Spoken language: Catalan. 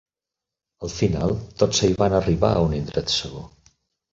Al final, tots hi van arribar a un indret segur.